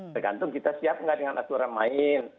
tergantung kita siap nggak dengan aturan main